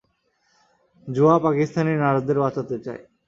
জোয়া পাকিস্তানি নার্সদের বাঁচাতে চায়।